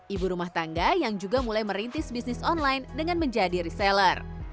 ibu rumah tangga yang juga mulai merintis bisnis online dengan menjadi reseller